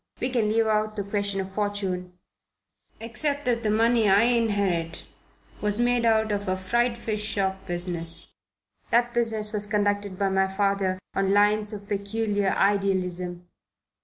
We can leave out the question of fortune except that the money I inherit was made out of a fried fish shop business. That business was conducted by my father on lines of peculiar idealism.